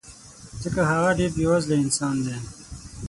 ځکه هغه ډېر بې وزله انسان دی